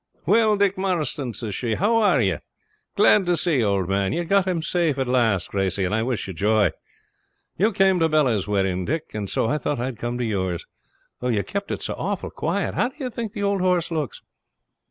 'Well, Dick Marston,' says she, 'how are you? Glad to see you, old man. You've got him safe at last, Gracey, and I wish you joy. You came to Bella's wedding, Dick, and so I thought I'd come to yours, though you kept it so awful quiet. How d'ye think the old horse looks?'